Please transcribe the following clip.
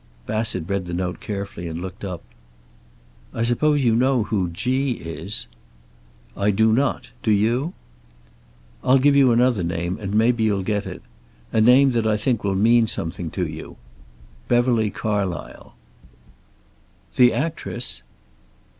Bassett read the note carefully, and looked up. "I suppose you know who 'G' is?" "I do not. Do you?" "I'll give you another name, and maybe you'll get it. A name that I think will mean something to you. Beverly Carlysle." "The actress?"